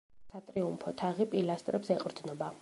სატრიუმფო თაღი პილასტრებს ეყრდნობა.